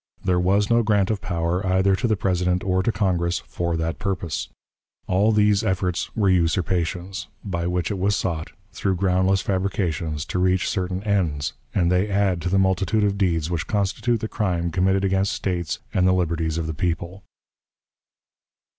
There was no grant of power either to the President or to Congress for that purpose. All these efforts were usurpations, by which it was sought, through groundless fabrications, to reach certain ends, and they add to the multitude of deeds which constitute the crime committed against States and the liberties of the people.